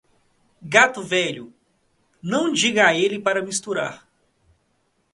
Gato velho, não diga a ele para misturar.